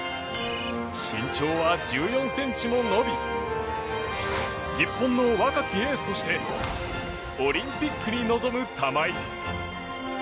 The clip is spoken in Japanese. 身長は１４ｃｍも伸び日本の若きエースとしてオリンピックに臨む玉井。